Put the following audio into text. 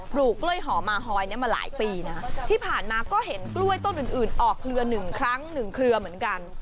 ลูกกล้วยหอมาฮอยเนี่ยมาหลายปีนะที่ผ่านมาก็เห็นกล้วยต้นอื่นอื่นออกเครือหนึ่งครั้งหนึ่งเครือเหมือนกัน